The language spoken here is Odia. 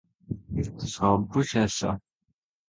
ସବୁ ଶେଷ!